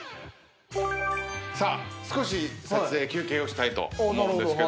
さあ少し撮影休憩をしたいと思うんですけども。